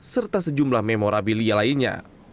serta sejumlah memorabilia lainnya